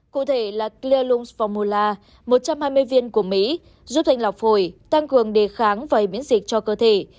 cụ thể là clear lungs formula một trăm hai mươi viên của mỹ giúp thanh lọc phổi tăng cường địa kháng và hệ miễn dịch cho cơ thể